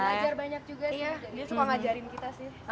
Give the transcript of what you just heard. belajar banyak juga ya dia suka ngajarin kita sih